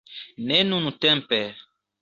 Ne nuntempe